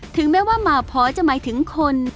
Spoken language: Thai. ถึงแม้ว่าหมาพอจะหมายถึงคน